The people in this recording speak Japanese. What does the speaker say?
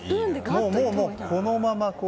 もうこのまま。